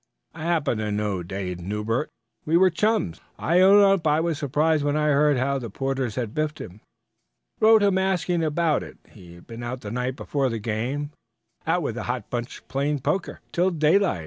I happen to know Dade Newbert; we were chums. I own up I was surprised when I heard how the Porters had biffed him. Wrote him asking about it. He'd been out the night before the game out with a hot bunch playing poker till daylight.